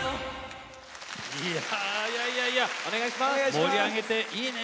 盛り上げていいね。